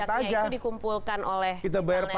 pajak pajaknya itu dikumpulkan oleh misalnya bpn ya